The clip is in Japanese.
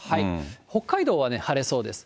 北海道は晴れそうです。